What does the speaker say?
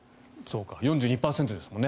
４２％ですもんね。